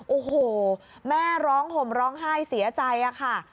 โอ้โหแม่ร้องห่มร้องไห้เสียใจค่ะ